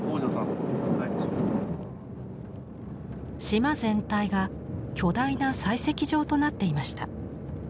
島全体が巨大な採石場となっていました。